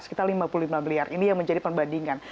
sekitar lima puluh lima miliar ini yang menjadi perbandingan